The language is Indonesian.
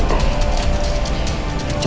pak diego jangan masalah